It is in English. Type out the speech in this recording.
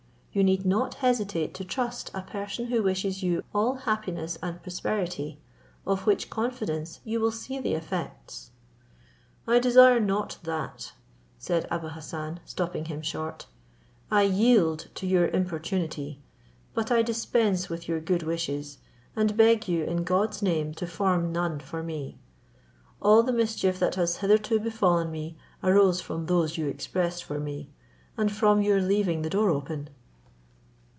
You need not hesitate to trust a person who wishes you all happiness and prosperity, of which confidence you will see the effects." "I desire not that," said Abou Hassan, stopping him short. "I yield to your importunity; but I dispense with your good wishes, and beg you in God's name to form none for me. All the mischief that has hitherto befallen me arose from those you expressed for me, and from your leaving the door open."